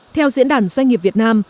theo diễn đàn doanh nghiệp việt nam